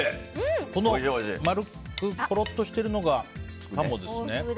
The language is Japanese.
丸くごろっとしているのが鴨ですね。